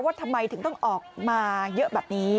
ทำไมถึงต้องออกมาเยอะแบบนี้